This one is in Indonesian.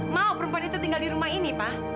mau perempuan itu tinggal di rumah ini pak